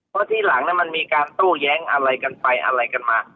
เพราะที่หลังมันมีการโต้แย้งอะไรกันไปอะไรกันมา